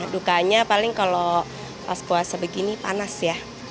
dukanya paling kalau pas puasa begini panas ya